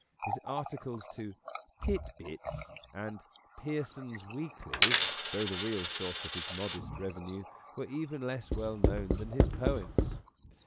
His articles to " Tit Bits " and " Pearson's Weekly," though the real source of his modest revenue, were even less well known than his poems.